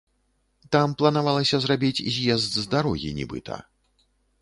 Там планавалася зрабіць з'езд з дарогі нібыта.